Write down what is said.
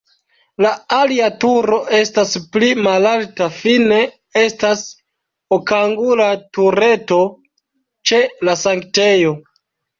La alia turo estas pli malalta, fine estas okangula tureto ĉe la sanktejo.